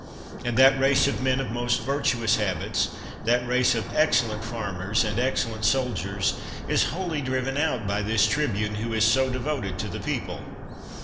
And that race of men of most virtuous habits, that race of excellent farmers and excellent soldiers, is wholly driven out by this tribune who is so devoted to the people.